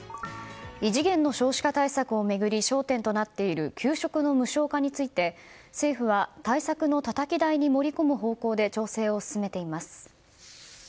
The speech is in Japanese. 異次元の少子化対策を巡り焦点となっている給食の無償化について政府は、対策のたたき台に盛り込む方向で調整を進めています。